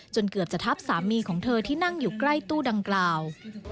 เกือบจะทับสามีของเธอที่นั่งอยู่ใกล้ตู้ดังกล่าว